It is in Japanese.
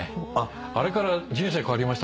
あれから人生変わりましたからね。